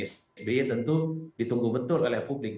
sby tentu ditunggu betul oleh publik